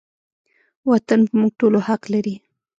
وطن په موږ ټولو حق لري